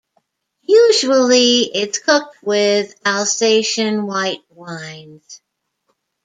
Usually it is cooked with Alsatian white wines.